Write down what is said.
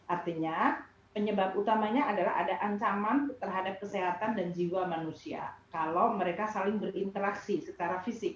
artinya penyebab utamanya adalah ada ancaman terhadap kesehatan dan jiwa manusia kalau mereka saling berinteraksi secara fisik